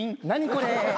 これ。